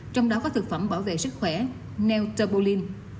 trong đó có thực phẩm bảo vệ sức khỏe neoterbolin